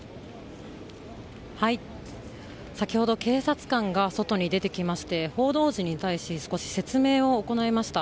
先ほど、警察官が外に出てきまして報道陣に対し少し説明を行いました。